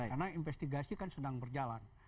karena investigasi kan sedang berjalan